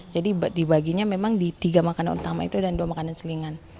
jadi dibaginya memang di tiga makanan utama itu dan dua makanan selingan